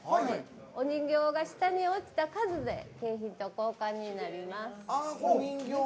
お人形が下に落ちた数で景品と交換になります。